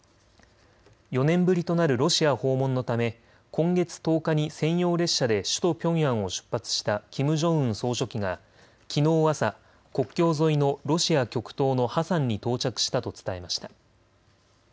４年ぶりとなるロシア訪問のため今月１０日に専用列車で首都ピョンヤンを出発したキム・ジョンウン総書記がきのう朝、国境沿いのロシア極東のハサンに到着したと伝えました。